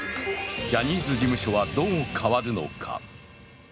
ジャニーズ事務所はどう変わるのか？